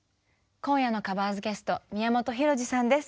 今夜のカバーズゲスト宮本浩次さんです。